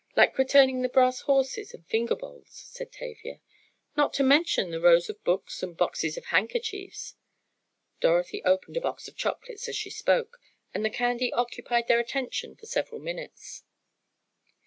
"Like returning the brass horses and finger bowls!" said Tavia. "Not to mention the rows of books and boxes of handkerchiefs," Dorothy opened a box of chocolates as she spoke, and the candy occupied their attention for several minutes.